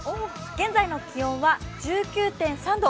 現在の気温は１９．３度。